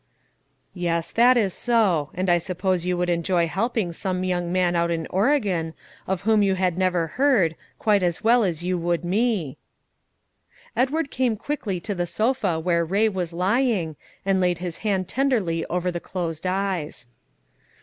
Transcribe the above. "Yes, that is so; and I suppose you would enjoy helping some young man out in Oregon, of whom you had never heard, quite as well as you would me." Edward came quickly to the sofa where Ray was lying, and laid his hand tenderly over the closed eyes.